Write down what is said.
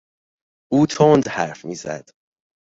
او تند حرف میزد.